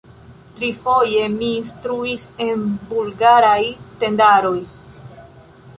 Trifoje mi instruis en Bulgaraj tendaroj.